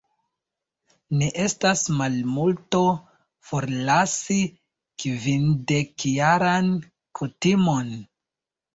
Ne estas malmulto, forlasi kvindekjaran kutimon.